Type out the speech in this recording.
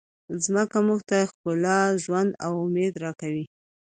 مځکه موږ ته ښکلا، ژوند او امید راکوي.